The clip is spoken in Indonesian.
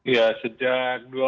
ya sejak dua